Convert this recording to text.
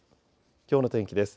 きょうの天気です。